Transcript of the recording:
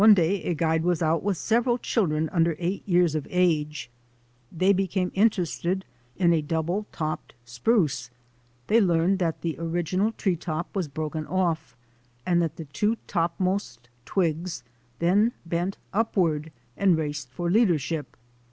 One day a guide was out with several children under eight years of age. They became interested in a double topped spruce. They learned that the original tree top was broken off and that the two topmost twigs then bent upward and raced for leadership.